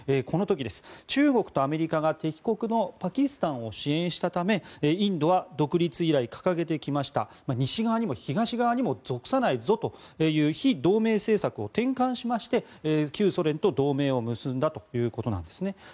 この時に中国とアメリカが敵国のパキスタンを支援したためインドは独立以来掲げてきました西側にも東側にも属さないぞという非同盟政策を転換しましてソ連と同盟を結んだということなんです。